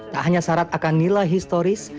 tak hanya syarat akan nilai historis